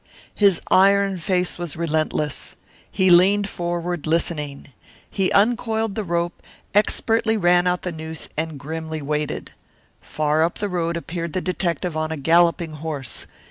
His iron face was relentless. He leaned forward, listening. He uncoiled the rope, expertly ran out the noose, and grimly waited. Far up the road appeared the detective on a galloping horse.